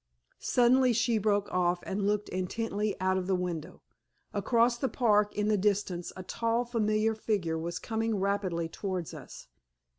Suddenly she broke off and looked intently out of the window. Across the park in the distance a tall, familiar figure was coming rapidly towards us.